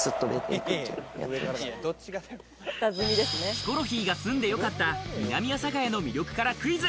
ヒコロヒーが住んでよかった南阿佐ヶ谷の魅力からクイズ。